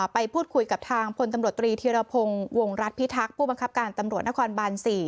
ไปพูดคุยกับทางพลตำรวจตรีธีรพงศ์วงรัฐพิทักษ์ผู้บังคับการตำรวจนครบาน๔